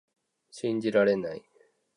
信じられない